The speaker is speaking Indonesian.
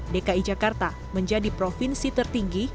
dki jakarta menjadi provinsi tertinggi